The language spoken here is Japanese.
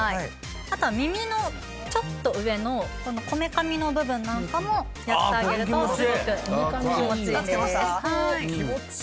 あとは耳のちょっと上のこめかみの部分なんかもやってあげるとすごく気持ちいいんです。